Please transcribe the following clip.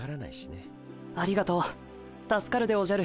ありがとう助かるでおじゃる。